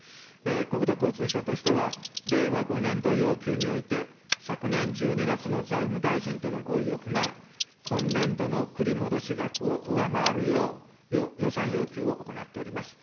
国土交通省としては、令和５年度要求において、昨年１２月の財務大臣との合意を踏まえ、今年度の繰り戻し額を上回るよう、予算要求を行っております。